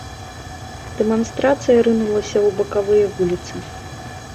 Дэманстрацыя рынулася ў бакавыя вуліцы.